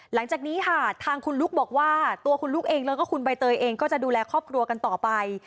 หลังจากนี้ค่ะทางคุณลุ๊กบอกว่าตัวคุณลุกเองแล้วก็คุณใบเตยเองก็จะดูแลครอบครัวกันต่อไป